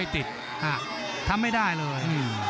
ทำไม่ได้เลย